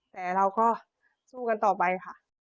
แต่เราก็สู้กันต่อไปค่ะ